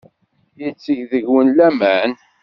Yetteg deg-wen laman.